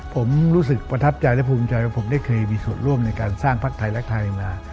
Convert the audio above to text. ผมรู้สึกประทับใจและภูมิใจว่าผมได้เคยมีส่วนร่วมในการสร้างภักดิ์ไทยและไทยมา